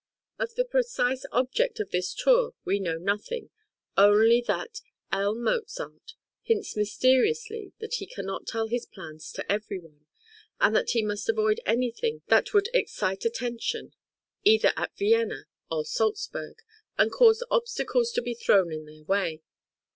Of the precise object of this tour we know nothing, only that L. Mozart hints mysteriously that he cannot tell his {VISIT TO VIENNA, 1773} (145) plans to every one, and that he must avoid anything that would excite attention either at Vienna or Salzburg, and cause obstacles to be thrown in their way.